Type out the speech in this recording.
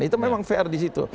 itu memang fair di situ